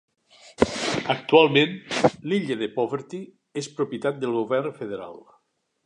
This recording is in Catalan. Actualment, l'illa de Poverty és propietat del govern federal.